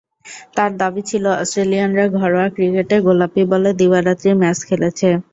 তাঁর দাবি ছিল, অস্ট্রেলিয়ানরা ঘরোয়া ক্রিকেটে গোলাপি বলে দিবারাত্রির ম্যাচ খেলেছে।